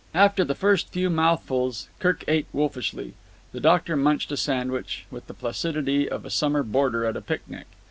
After the first few mouthfuls Kirk ate wolfishly. The doctor munched a sandwich with the placidity of a summer boarder at a picnic.